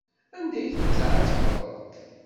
Anda ay ten-tɛettbeḍ?